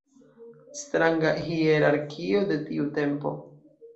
Stranga hierarkio de tiu tempo.